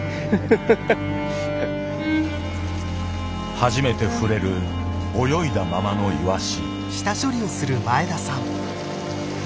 初めて触れる泳いだままのイワシ。